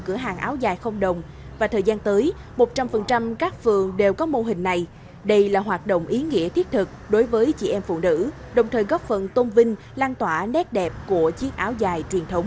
hội liên hiệp phụ nữ phụ nữ đã được đưa vào cửa hàng áo dài không đồng và thời gian tới một trăm linh các phường đều có mô hình này đây là hoạt động ý nghĩa thiết thực đối với chị em phụ nữ đồng thời góp phần tôn vinh lan tỏa nét đẹp của chiếc áo dài truyền thống